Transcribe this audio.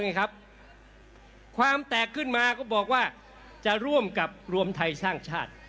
ความแตกขึ้นมาก็บอกว่าจะร่วมกับรวมไทยสร้างชาติ